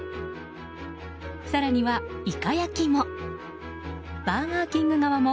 更には、イカ焼きも。